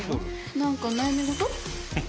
何か悩み事？